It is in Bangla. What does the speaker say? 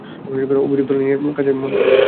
অভিযোগ তুলে নিয়ে নিজের কাজে মন দাও।